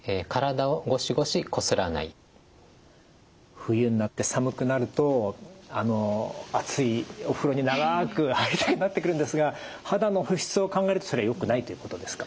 冬になって寒くなると熱いお風呂に長く入りたくなってくるんですが肌の保湿を考えるとそれはよくないということですか？